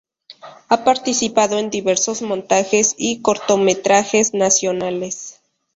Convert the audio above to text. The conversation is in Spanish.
Ha participado en diversos montajes y cortometrajes nacionales.